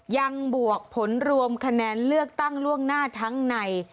บวกผลรวมคะแนนเลือกตั้งล่วงหน้าทั้งใน